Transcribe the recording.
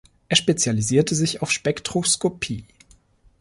Er spezialisierte sich auf Spektroskopie.